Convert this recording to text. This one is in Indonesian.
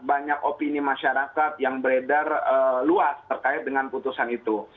banyak opini masyarakat yang beredar luas terkait dengan putusan itu